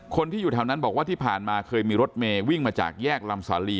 คนที่อยู่แถวนั้นบอกว่าที่ผ่านมาเคยมีรถเมย์วิ่งมาจากแยกลำสาลี